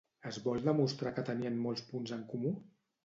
Es vol demostrar que tenien molts punts en comú?